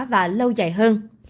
và lâu dài hơn